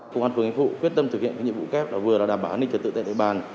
tổ chức yên phụ quyết tâm thực hiện nhiệm vụ kép vừa là đảm bảo an ninh trật tự tại địa bàn